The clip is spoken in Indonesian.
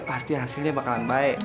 pasti hasilnya bakalan baik